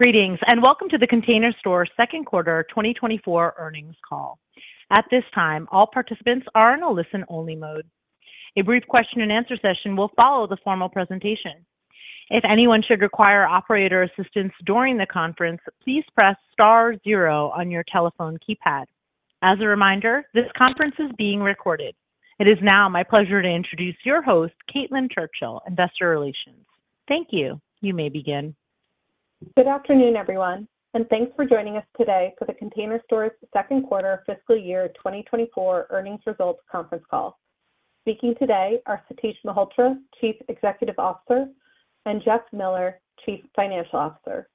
Greetings, and welcome to The Container Store Second Quarter 2024 earnings call. At this time, all participants are in a listen-only mode. A brief question-and-answer session will follow the formal presentation. If anyone should require operator assistance during the conference, please press star zero on your telephone keypad. As a reminder, this conference is being recorded. It is now my pleasure to introduce your host, Caitlin Churchill, Investor Relations. Thank you. You may begin. Good afternoon, everyone, and thanks for joining us today for the Container Store's Second Quarter Fiscal Year 2024 Earnings Results Conference Call. Speaking today are Satish Malhotra, Chief Executive Officer, and Jeff Miller, Chief Financial Officer.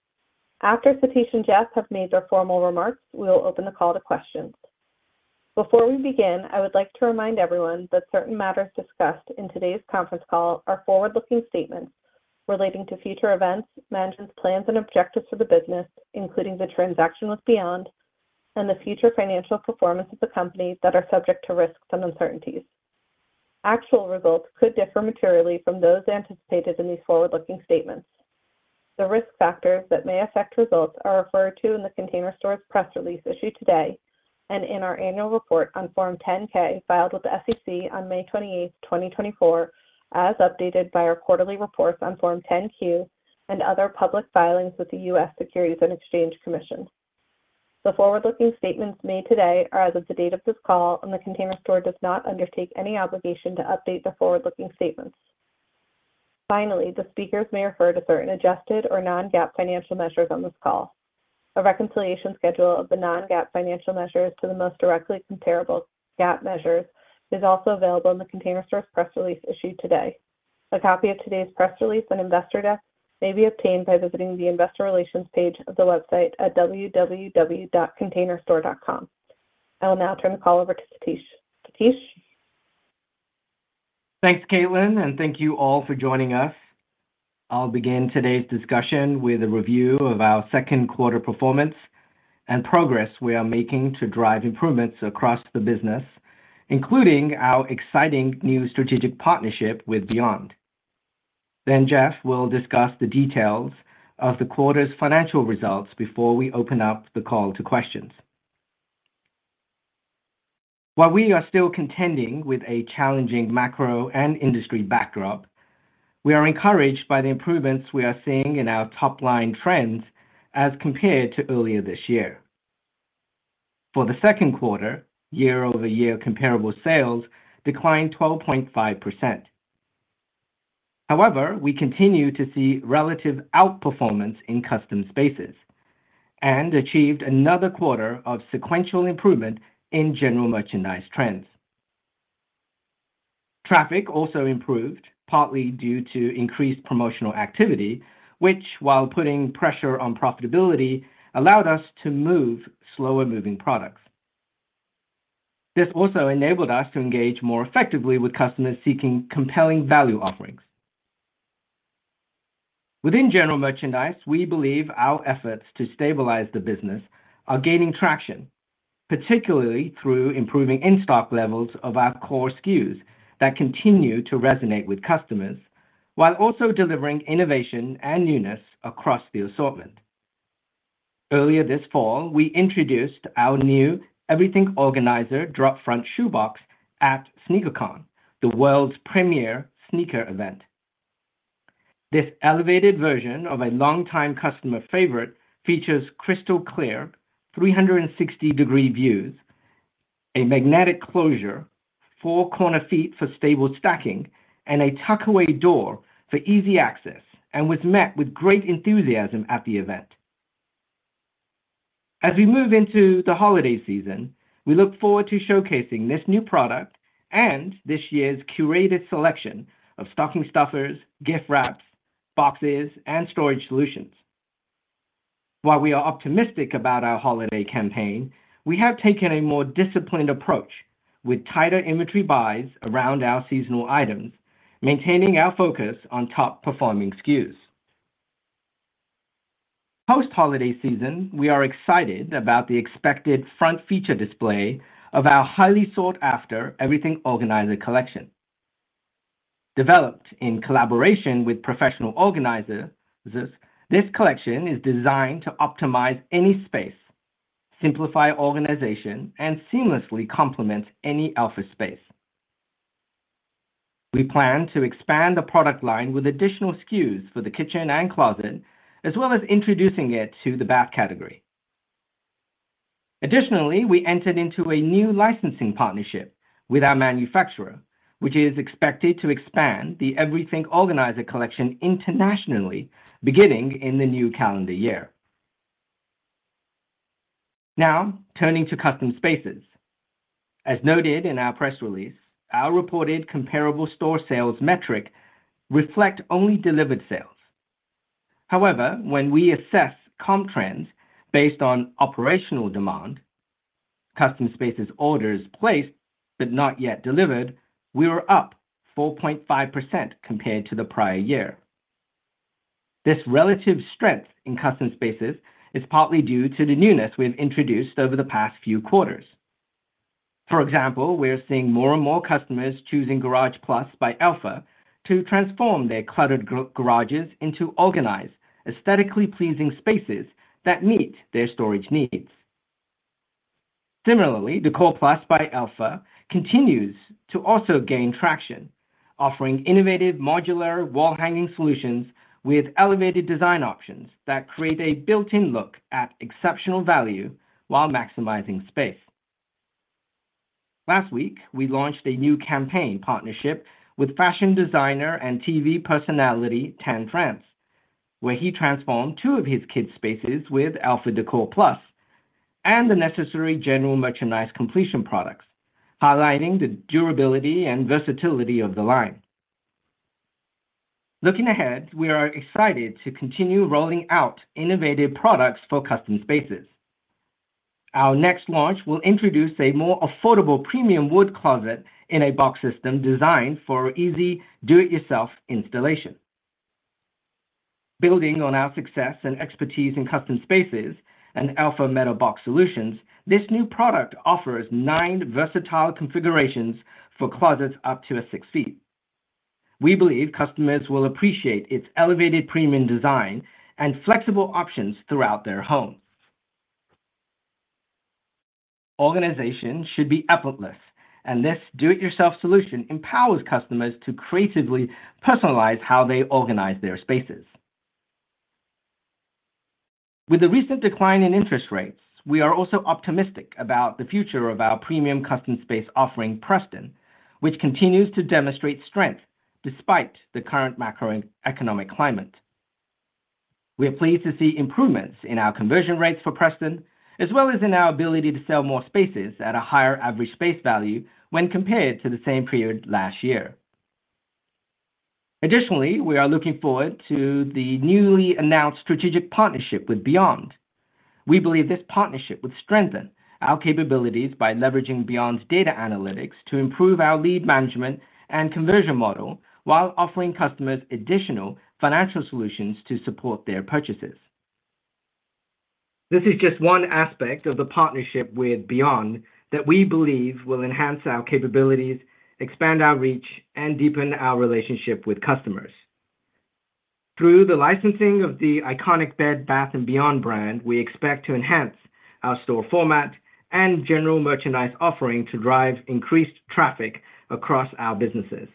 After Satish and Jeff have made their formal remarks, we will open the call to questions. Before we begin, I would like to remind everyone that certain matters discussed in today's conference call are forward-looking statements relating to future events, management's plans and objectives for the business, including the transaction with Beyond and the future financial performance of the company that are subject to risks and uncertainties. Actual results could differ materially from those anticipated in these forward-looking statements. The risk factors that may affect results are referred to in the Container Store's press release issued today and in our annual report on Form 10-K filed with the SEC on May 28, 2024, as updated by our quarterly reports on Form 10-Q and other public filings with the U.S. Securities and Exchange Commission. The forward-looking statements made today are as of the date of this call, and the Container Store does not undertake any obligation to update the forward-looking statements. Finally, the speakers may refer to certain adjusted or non-GAAP financial measures on this call. A reconciliation schedule of the non-GAAP financial measures to the most directly comparable GAAP measures is also available in the Container Store's press release issued today. A copy of today's press release and investor deck may be obtained by visiting the Investor Relations page of the website at www.containerstore.com. I will now turn the call over to Satish. Thanks, Caitlin, and thank you all for joining us. I'll begin today's discussion with a review of our second quarter performance and progress we are making to drive improvements across the business, including our exciting new strategic partnership with Beyond. Then, Jeff, we'll discuss the details of the quarter's financial results before we open up the call to questions. While we are still contending with a challenging macro and industry backdrop, we are encouraged by the improvements we are seeing in our top-line trends as compared to earlier this year. For the second quarter, year-over-year comparable sales declined 12.5%. However, we continue to see relative outperformance in Custom Spaces and achieved another quarter of sequential improvement in general merchandise trends. Traffic also improved, partly due to increased promotional activity, which, while putting pressure on profitability, allowed us to move slower-moving products. This also enabled us to engage more effectively with customers seeking compelling value offerings. Within general merchandise, we believe our efforts to stabilize the business are gaining traction, particularly through improving in-stock levels of our core SKUs that continue to resonate with customers while also delivering innovation and newness across the assortment. Earlier this fall, we introduced our new Everything Organizer Drop-Front Shoe Box at Sneaker Con, the world's premier sneaker event. This elevated version of a longtime customer favorite features crystal clear 360-degree views, a magnetic closure, four corner feet for stable stacking, and a tuck-away door for easy access, and was met with great enthusiasm at the event. As we move into the holiday season, we look forward to showcasing this new product and this year's curated selection of stocking stuffers, gift wraps, boxes, and storage solutions. While we are optimistic about our holiday campaign, we have taken a more disciplined approach with tighter inventory buys around our seasonal items, maintaining our focus on top-performing SKUs. Post-holiday season, we are excited about the expected front feature display of our highly sought-after Everything Organizer collection. Developed in collaboration with professional organizers, this collection is designed to optimize any space, simplify organization, and seamlessly complement any office space. We plan to expand the product line with additional SKUs for the kitchen and closet, as well as introducing it to the bath category. Additionally, we entered into a new licensing partnership with our manufacturer, which is expected to expand the Everything Organizer collection internationally beginning in the new calendar year. Now, turning to custom spaces. As noted in our press release, our reported comparable store sales metric reflects only delivered sales. However, when we assess comp trends based on operational demand, custom spaces orders placed but not yet delivered, we were up 4.5%, compared to the prior year. This relative strength in custom spaces is partly due to the newness we have introduced over the past few quarters. For example, we are seeing more and more customers choosing Garage+ by Elfa to transform their cluttered garages into organized, aesthetically pleasing spaces that meet their storage needs. Similarly, Decor+ by Elfa continues to also gain traction, offering innovative modular wall hanging solutions with elevated design options that create a built-in look at exceptional value while maximizing space. Last week, we launched a new campaign partnership with fashion designer and TV personality Tan France, where he transformed two of his kids' spaces with Decor+ by Elfa and the necessary general merchandise completion products, highlighting the durability and versatility of the line. Looking ahead, we are excited to continue rolling out innovative products for custom spaces. Our next launch will introduce a more affordable Premium Wood Closet in a Box system designed for easy do-it-yourself installation. Building on our success and expertise in custom spaces and Elfa metal box solutions, this new product offers nine versatile configurations for closets up to six feet. We believe customers will appreciate its elevated premium design and flexible options throughout their homes. Organization should be effortless, and this do-it-yourself solution empowers customers to creatively personalize how they organize their spaces. With the recent decline in interest rates, we are also optimistic about the future of our premium custom space offering, Preston, which continues to demonstrate strength despite the current macroeconomic climate. We are pleased to see improvements in our conversion rates for Preston, as well as in our ability to sell more spaces at a higher average space value when compared to the same period last year. Additionally, we are looking forward to the newly announced strategic partnership with Beyond. We believe this partnership would strengthen our capabilities by leveraging Beyond's data analytics to improve our lead management and conversion model while offering customers additional financial solutions to support their purchases. This is just one aspect of the partnership with Beyond that we believe will enhance our capabilities, expand our reach, and deepen our relationship with customers. Through the licensing of the iconic Bed Bath & Beyond brand, we expect to enhance our store format and general merchandise offering to drive increased traffic across our businesses.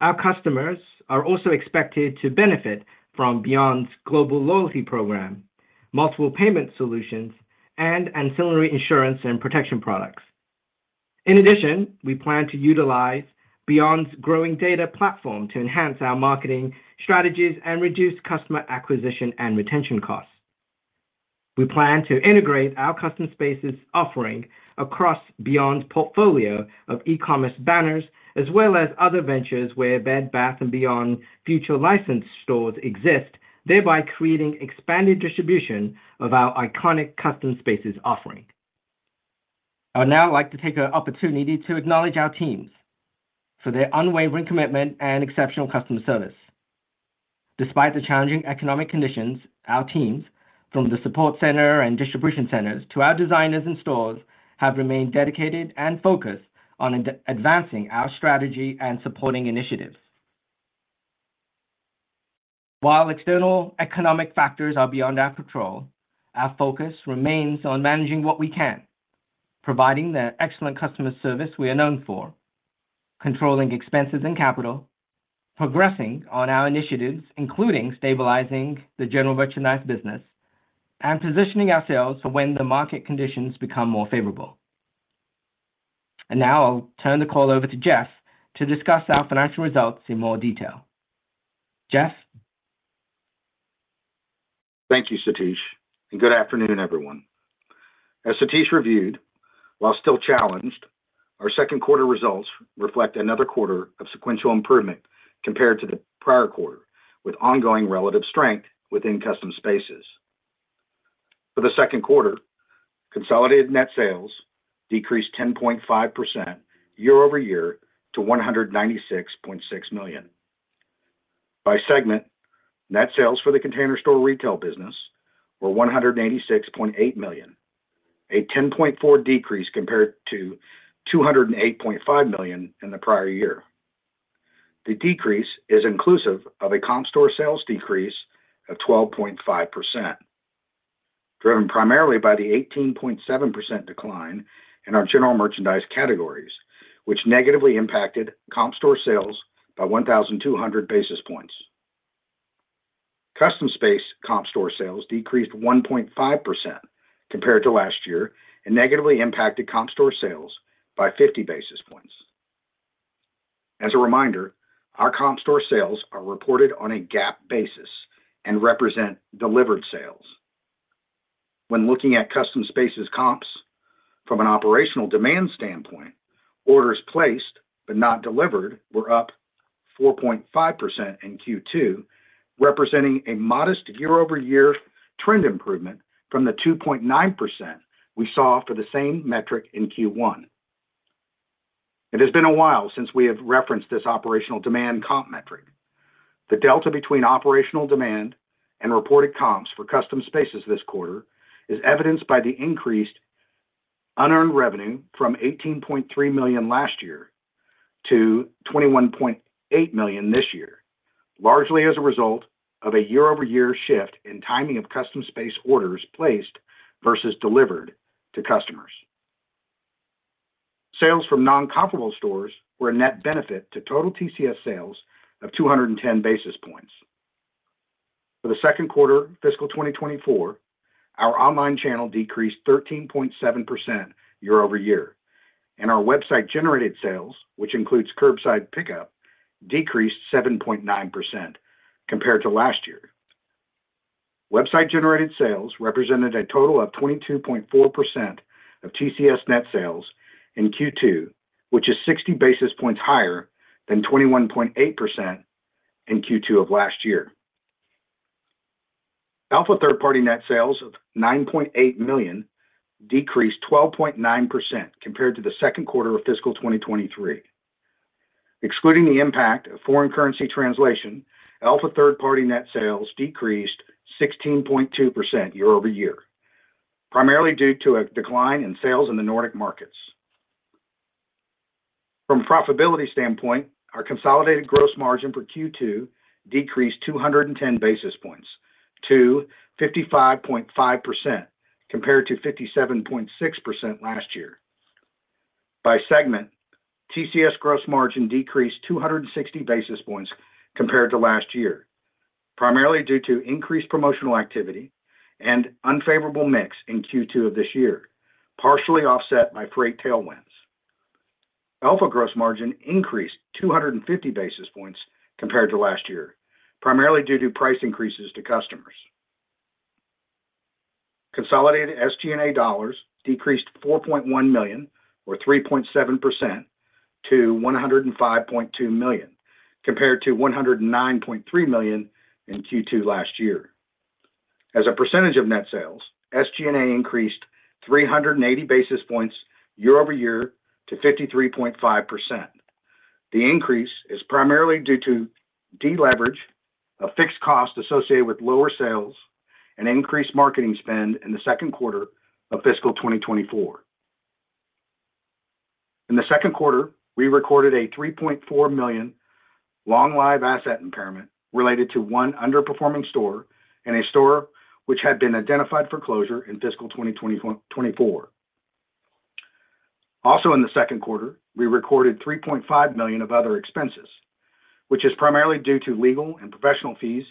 Our customers are also expected to benefit from Beyond's global loyalty program, multiple payment solutions, and ancillary insurance and protection products. In addition, we plan to utilize Beyond's growing data platform to enhance our marketing strategies and reduce customer acquisition and retention costs. We plan to integrate our custom spaces offering across Beyond's portfolio of e-commerce banners, as well as other ventures where Bed Bath & Beyond future license stores exist, thereby creating expanded distribution of our iconic custom spaces offering. I would now like to take an opportunity to acknowledge our teams for their unwavering commitment and exceptional customer service. Despite the challenging economic conditions, our teams, from the support center and distribution centers to our designers and stores, have remained dedicated and focused on advancing our strategy and supporting initiatives. While external economic factors are beyond our control, our focus remains on managing what we can, providing the excellent customer service we are known for, controlling expenses and capital, progressing on our initiatives, including stabilizing the general merchandise business, and positioning ourselves for when the market conditions become more favorable. And now I'll turn the call over to Jeff to discuss our financial results in more detail. Jeff. Thank you, Satish, and good afternoon, everyone. As Satish reviewed, while still challenged, our second quarter results reflect another quarter of sequential improvement compared to the prior quarter, with ongoing relative strength within custom spaces. For the second quarter, consolidated net sales decreased 10.5% year-over-year to $196.6 million. By segment, net sales for the Container Store retail business were $186.8 million, a 10.4%, decrease compared to $208.5 million in the prior year. The decrease is inclusive of a comp store sales decrease of 12.5%, driven primarily by the 18.7%, decline in our general merchandise categories, which negatively impacted comp store sales by 1,200 basis points. Custom space comp store sales decreased 1.5%, compared to last year and negatively impacted comp store sales by 50 basis points. As a reminder, our comp store sales are reported on a GAAP basis and represent delivered sales. When looking at custom spaces comps, from an operational demand standpoint, orders placed but not delivered were up 4.5% in Q2, representing a modest year-over-year trend improvement from the 2.9%, we saw for the same metric in Q1. It has been a while since we have referenced this operational demand comp metric. The delta between operational demand and reported comps for custom spaces this quarter is evidenced by the increased unearned revenue from $18.3 million last year to $21.8 million this year, largely as a result of a year-over-year shift in timing of custom space orders placed versus delivered to customers. Sales from non-comparable stores were a net benefit to total TCS sales of 210 basis points. For the second quarter of fiscal 2024, our online channel decreased 13.7% year-over-year, and our website-generated sales, which includes curbside pickup, decreased 7.9%, compared to last year. Website-generated sales represented a total of 22.4% of TCS net sales in Q2, which is 60 basis points higher than 21.8% in Q2 of last year. Elfa third-party net sales of $9.8 million decreased 12.9%, compared to the second quarter of fiscal 2023. Excluding the impact of foreign currency translation, Elfa third-party net sales decreased 16.2% year-over-year, primarily due to a decline in sales in the Nordic markets. From a profitability standpoint, our consolidated gross margin for Q2 decreased 210 basis points to 55.5%, compared to 57.6% last year. By segment, TCS gross margin decreased 260 basis points, compared to last year, primarily due to increased promotional activity and unfavorable mix in Q2 of this year, partially offset by freight tailwinds. Elfa gross margin increased 250 basis points compared to last year, primarily due to price increases to customers. Consolidated SG&A dollars decreased $4.1 million, or 3.7%, to $105.2 million compared to $109.3 million in Q2 last year. As a percentage of net sales, SG&A increased 380 basis points year-over-year to 53.5%. The increase is primarily due to deleverage, a fixed cost associated with lower sales, and increased marketing spend in the second quarter of fiscal 2024. In the second quarter, we recorded a $3.4 million long-lived asset impairment related to one underperforming store and a store which had been identified for closure in fiscal 2024. Also, in the second quarter, we recorded $3.5 million of other expenses, which is primarily due to legal and professional fees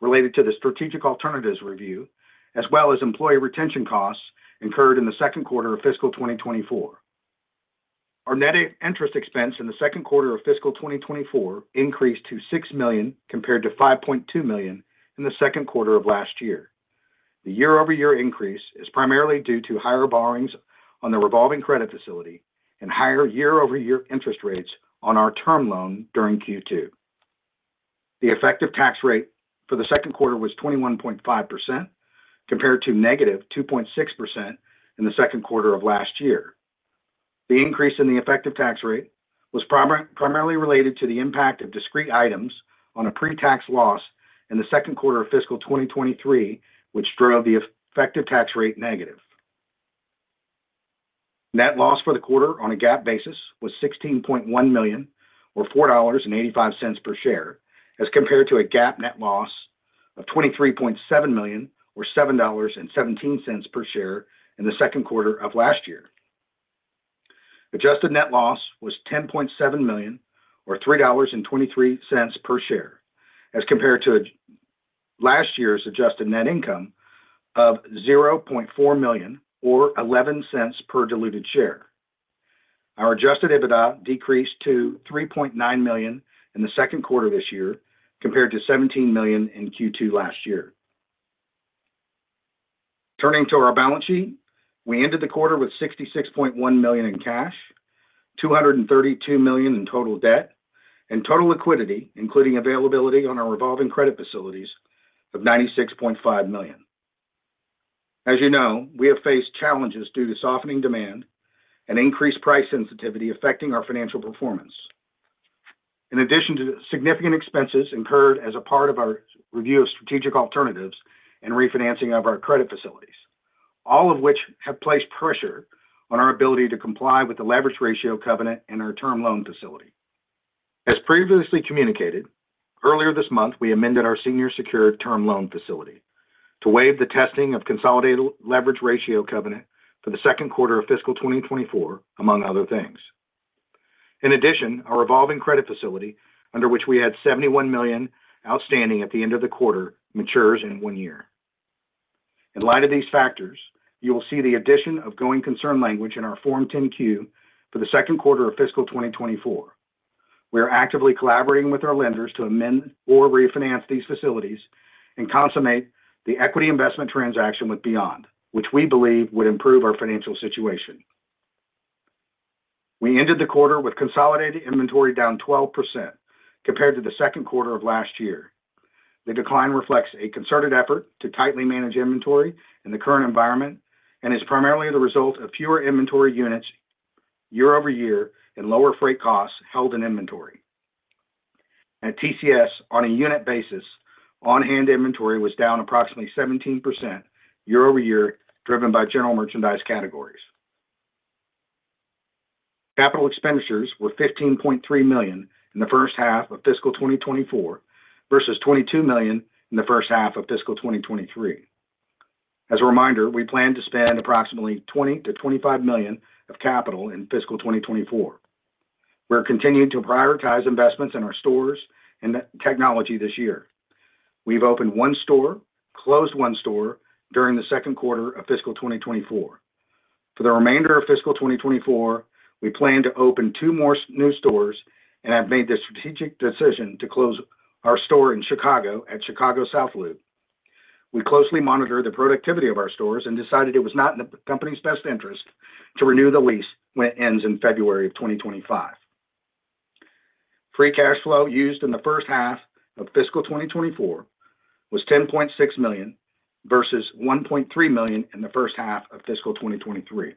related to the strategic alternatives review, as well as employee retention costs incurred in the second quarter of fiscal 2024. Our net interest expense in the second quarter of fiscal 2024 increased to $6 million compared to $5.2 million in the second quarter of last year. The year-over-year increase is primarily due to higher borrowings on the revolving credit facility and higher year-over-year interest rates on our term loan during Q2. The effective tax rate for the second quarter was 21.5%, compared to negative 2.6%, in the second quarter of last year. The increase in the effective tax rate was primarily related to the impact of discrete items on a pre-tax loss in the second quarter of fiscal 2023, which drove the effective tax rate negative. Net loss for the quarter on a GAAP basis was $16.1 million, or $4.85 per share, as compared to a GAAP net loss of $23.7 million, or $7.17 per share, in the second quarter of last year. Adjusted net loss was $10.7 million, or $3.23 per share, as compared to last year's adjusted net income of $0.4 million, or $0.11 per diluted share. Our Adjusted EBITDA decreased to $3.9 million in the second quarter of this year compared to $17 million in Q2 last year. Turning to our balance sheet, we ended the quarter with $66.1 million in cash, $232 million in total debt, and total liquidity, including availability on our revolving credit facilities, of $96.5 million. As you know, we have faced challenges due to softening demand and increased price sensitivity affecting our financial performance. In addition to significant expenses incurred as a part of our review of strategic alternatives and refinancing of our credit facilities, all of which have placed pressure on our ability to comply with the leverage ratio covenant in our term loan facility. As previously communicated, earlier this month, we amended our senior secured term loan facility to waive the testing of consolidated leverage ratio covenant for the second quarter of fiscal 2024, among other things. In addition, our revolving credit facility, under which we had $71 million outstanding at the end of the quarter, matures in one year. In light of these factors, you will see the addition of going concern language in our Form 10-Q for the second quarter of fiscal 2024. We are actively collaborating with our lenders to amend or refinance these facilities and consummate the equity investment transaction with Beyond, which we believe would improve our financial situation. We ended the quarter with consolidated inventory down 12%, compared to the second quarter of last year. The decline reflects a concerted effort to tightly manage inventory in the current environment and is primarily the result of fewer inventory units year-over-year and lower freight costs held in inventory. At TCS, on a unit basis, on-hand inventory was down approximately 17% year-over-year, driven by general merchandise categories. Capital expenditures were $15.3 million in the first half of fiscal 2024 versus $22 million in the first half of fiscal 2023. As a reminder, we plan to spend approximately $20 million-$25 million of capital in fiscal 2024. We are continuing to prioritize investments in our stores and technology this year. We've opened one store, closed one store during the second quarter of fiscal 2024. For the remainder of fiscal 2024, we plan to open two more new stores and have made the strategic decision to close our store in Chicago at Chicago South Loop. We closely monitor the productivity of our stores and decided it was not in the company's best interest to renew the lease when it ends in February of 2025. Free cash flow used in the first half of fiscal 2024 was $10.6 million versus $1.3 million in the first half of fiscal 2023.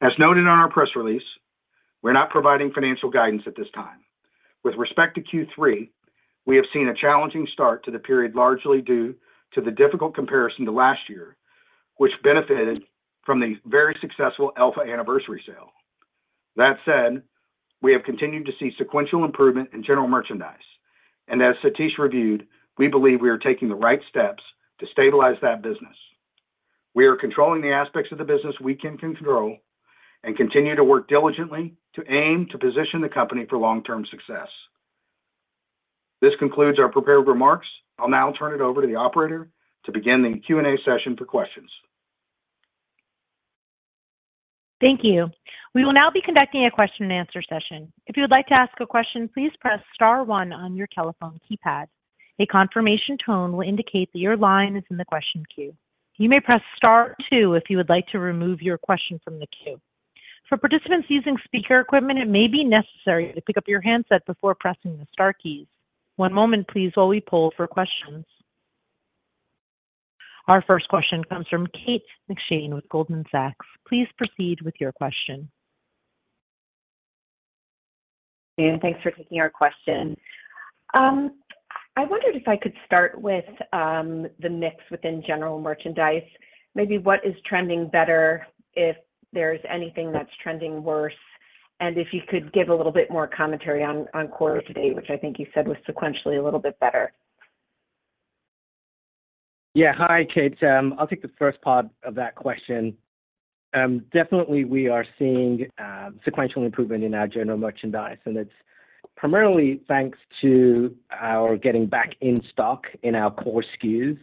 As noted on our press release, we're not providing financial guidance at this time. With respect to Q3, we have seen a challenging start to the period largely due to the difficult comparison to last year, which benefited from the very successful Elfa Anniversary Sale. That said, we have continued to see sequential improvement in general merchandise, and as Satish reviewed, we believe we are taking the right steps to stabilize that business. We are controlling the aspects of the business we can control and continue to work diligently to aim to position the company for long-term success. This concludes our prepared remarks. I'll now turn it over to the operator to begin the Q&A session for questions. Thank you. We will now be conducting a question-and-answer session. If you would like to ask a question, please press Star 1 on your telephone keypad. A confirmation tone will indicate that your line is in the question queue. You may press Star 2 if you would like to remove your question from the queue. For participants using speaker equipment, it may be necessary to pick up your handset before pressing the Star keys. One moment, please, while we poll for questions. Our first question comes from Kate McShane with Goldman Sachs. Please proceed with your question. Thanks for taking our question. I wondered if I could start with the mix within general merchandise. Maybe what is trending better, if there's anything that's trending worse, and if you could give a little bit more commentary on quarter to date, which I think you said was sequentially a little bit better. Yeah. Hi, Kate. I'll take the first part of that question. Definitely, we are seeing sequential improvement in our general merchandise, and it's primarily thanks to our getting back in stock in our core SKUs.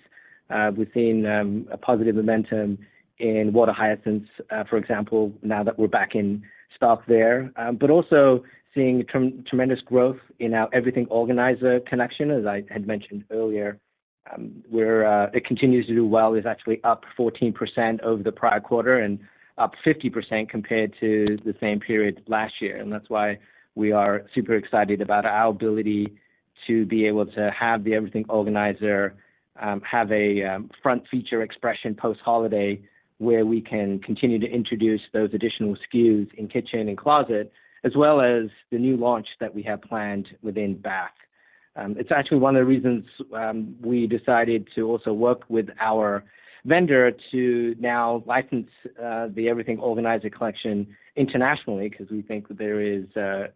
We've seen a positive momentum in water hyacinths, for example, now that we're back in stock there, but also seeing tremendous growth in our Everything Organizer collection. As I had mentioned earlier, where it continues to do well is actually up 14% over the prior quarter and up 50%, compared to the same period last year. And that's why we are super excited about our ability to be able to have the Everything Organizer have a front feature expression post-holiday, where we can continue to introduce those additional SKUs in kitchen and closet, as well as the new launch that we have planned within bath. It's actually one of the reasons we decided to also work with our vendor to now license the Everything Organizer collection internationally because we think that there is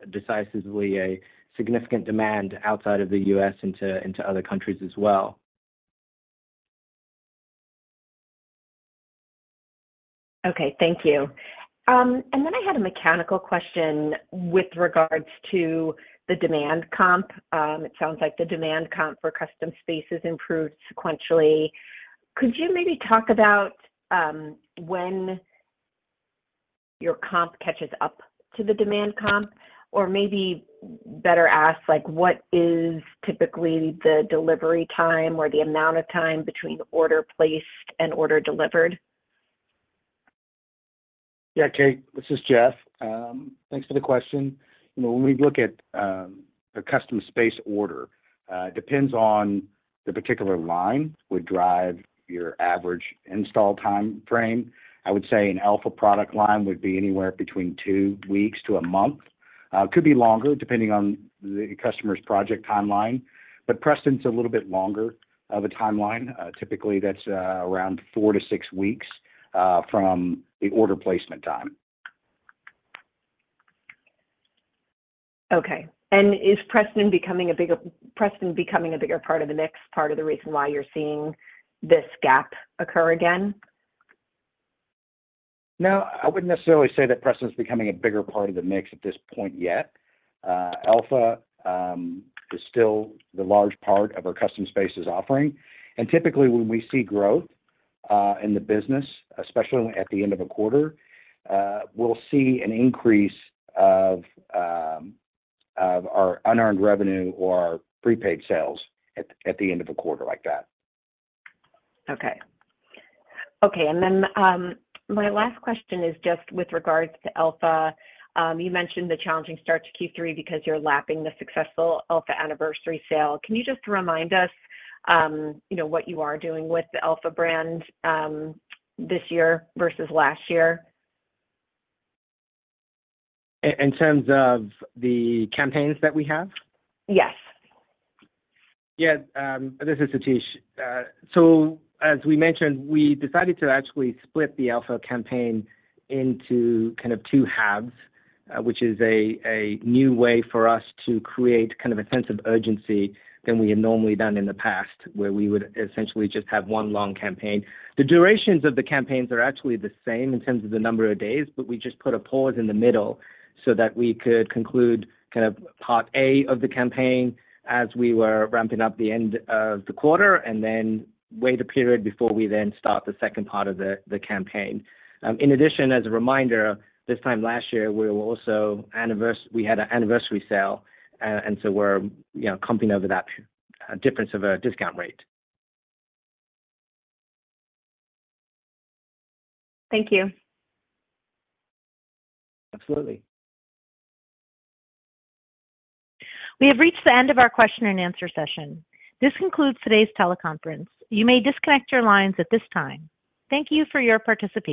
decidedly a significant demand outside of the U.S. and to other countries as well. Okay. Thank you. And then I had a mechanical question with regards to the demand comp. It sounds like the demand comp for custom space has improved sequentially. Could you maybe talk about when your comp catches up to the demand comp? Or maybe better asked, what is typically the delivery time or the amount of time between order placed and order delivered? Yeah, Kate, this is Jeff. Thanks for the question. When we look at a custom space order, it depends on the particular line would drive your average install time frame. I would say an Elfa product line would be anywhere between two weeks to a month. It could be longer, depending on the customer's project timeline. But Preston's a little bit longer of a timeline. Typically, that's around four to six weeks from the order placement time. Okay. And is Preston becoming a bigger part of the mix, part of the reason why you're seeing this gap occur again? No, I wouldn't necessarily say that Preston's becoming a bigger part of the mix at this point yet. Elfa is still the large part of our custom spaces offering. And typically, when we see growth in the business, especially at the end of a quarter, we'll see an increase of our unearned revenue or our prepaid sales at the end of a quarter like that. Okay. And then my last question is just with regards to Elfa. You mentioned the challenging start to Q3 because you're lapping the successful Elfa anniversary sale. Can you just remind us what you are doing with the Elfa brand this year versus last year? In terms of the campaigns that we have? Yes. Yeah. This is Satish. So as we mentioned, we decided to actually split the Elfa campaign into kind of two halves, which is a new way for us to create kind of a sense of urgency than we had normally done in the past, where we would essentially just have one long campaign. The durations of the campaigns are actually the same in terms of the number of days, but we just put a pause in the middle so that we could conclude kind of part A of the campaign as we were ramping up the end of the quarter and then wait a period before we then start the second part of the campaign. In addition, as a reminder, this time last year, we had an anniversary sale, and so we're comping over that difference of a discount rate. Thank you. Absolutely. We have reached the end of our question-and-answer session. This concludes today's teleconference. You may disconnect your lines at this time. Thank you for your participation.